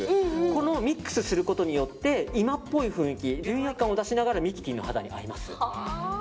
これをミックスすることによって今っぽい雰囲気純欲感を出しながらミキティの肌に合います。